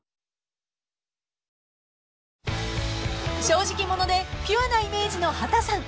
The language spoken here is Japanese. ［正直者でピュアなイメージの秦さん］